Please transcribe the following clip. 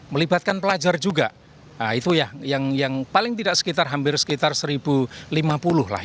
melibatkan pelajar juga itu ya yang paling tidak sekitar hampir sekitar seribu lima puluh lah